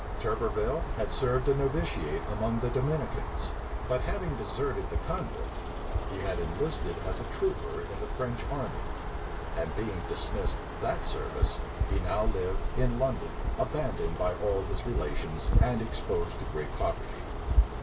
Turberville had served a novitiate among the Dominicans; but having deserted the convent, he had enlisted as a trooper in the French army; and being dismissed that service, he now lived in London, abandoned by all his relations, and exposed to great poverty.